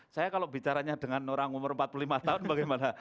saya kalau bicaranya dengan orang umur empat puluh lima tahun bagaimana